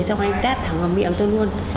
xong anh ấy tát thẳng vào miệng tôi luôn